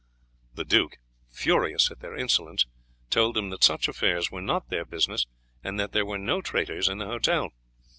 The duke, furious at their insolence, told them that such affairs were not their business, and that there were no traitors in the hotel.